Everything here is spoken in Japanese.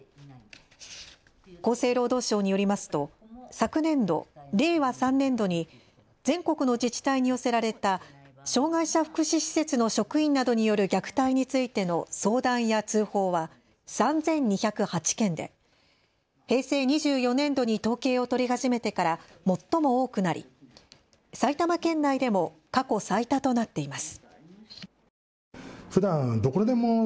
厚生労働省によりますと昨年度、令和３年度に全国の自治体に寄せられた障害者福祉施設の職員などによる虐待についての相談や通報は３２０８件で平成２４年度に統計を取り始めてから最も多くなり埼玉県内でも過去最多となっています。